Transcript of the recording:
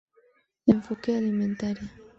Enfoque Alimentaria.